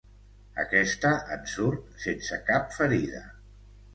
Aquesta en surt sense cap ferida.